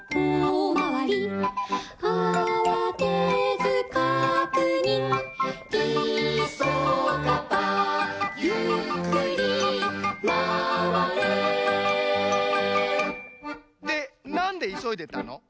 「あわてずかくにん」「いそがばゆっくり」「まわれ」でなんでいそいでたの？